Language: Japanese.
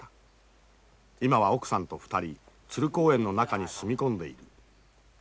今は奥さんと２人鶴公園の中に住み込んでいる。